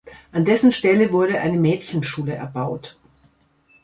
An dessen Stelle wurde eine Mädchenschule erbaut.